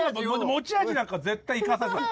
持ち味なんか絶対生かさない。